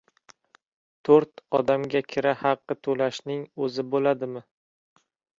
To‘rt odamga kira haqi to‘lashning o‘zi bo‘ladimi.